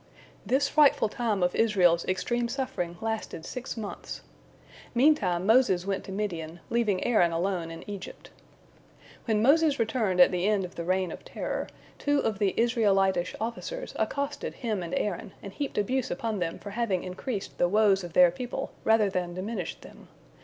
This frightful time of Israel's extreme suffering lasted six months. Meantime Moses went to Midian, leaving Aaron alone in Egypt. When Moses returned at the end of the reign of terror, two of the Israelitish officers accosted him and Aaron, and heaped abuse upon them for having increased the woes of their people rather than diminished them.